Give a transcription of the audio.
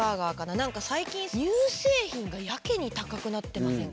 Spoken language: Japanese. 何か最近乳製品がやけに高くなってませんか？